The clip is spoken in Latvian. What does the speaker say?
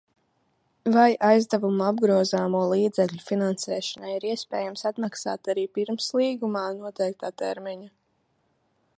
Vai aizdevumu apgrozāmo līdzekļu finansēšanai ir iespējams atmaksāt arī pirms līgumā noteiktā termiņa?